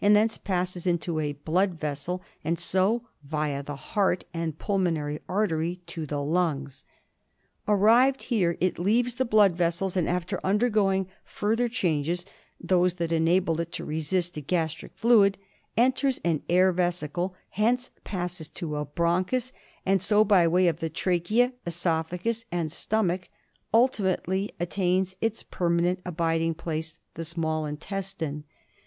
thence passes into a blood vessel, and so, via the heart and pulmonary artery, to the lungs. Arrived here it leaves the blood vessels, and after undergoing further changes, those that enable it to resist the gastric fluid, enters an air vesicle, thence passes to a bronchus, and so by way of the trachea, cesophagus and stomach, ulti mately attains its permanent abiding place — the small intestine.